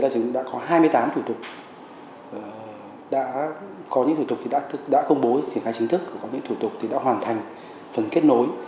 có những thủ tục đã công bố triển khai chính thức có những thủ tục đã hoàn thành phần kết nối